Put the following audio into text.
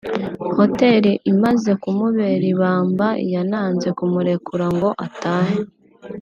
Hoteli imaze kumubera ibamba yananze kumurekura ngo atahe